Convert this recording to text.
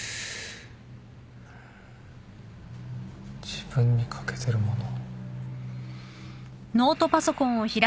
自分に欠けてるもの。